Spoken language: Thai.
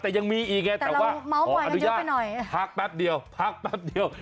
แต่ยังมีอีกไงแต่ว่าขออนุญาตพักแป๊บเดียวพักแป๊บเดียว